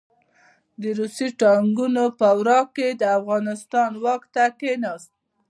د روسي ټانګونو په ورا کې د افغانستان واک ته کښېناست.